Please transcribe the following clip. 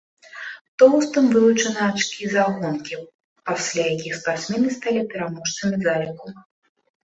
Тоўстым вылучаны ачкі за гонкі, пасля якіх спартсмены сталі пераможцамі заліку.